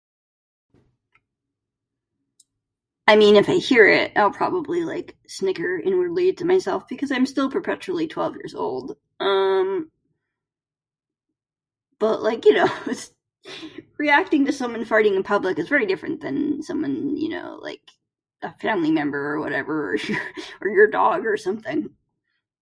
I mean, if I hear it I'll probably like snicker and relate to myself because I'm still perpetually twelve years old. Um, but like you know it's... reacting to someone farting in public is very different from someone, you know, like, a family member or whatever, or your dog or something